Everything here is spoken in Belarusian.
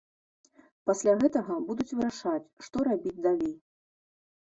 Пасля гэтага будуць вырашаць, што рабіць далей.